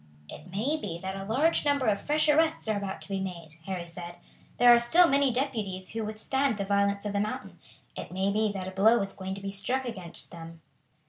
"It may be that a large number of fresh arrests are about to be made," Harry said. "There are still many deputies who withstand the violence of the Mountain. It may be that a blow is going to be struck against them."